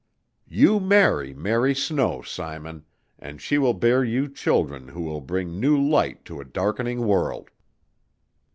You marry Mary Snow, Simon, and she will bear you children who will bring new light to a darkening world."